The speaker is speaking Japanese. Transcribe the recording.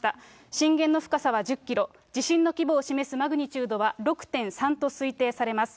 震源の深さは１０キロ、地震の規模を示すマグニチュードは６．３と推定されます。